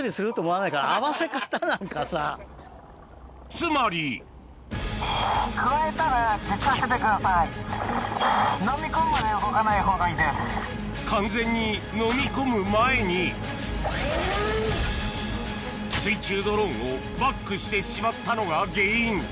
つまり完全にのみ込む前に水中ドローンをバックしてしまったのが原因